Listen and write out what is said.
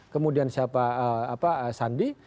kemudian siapa sandi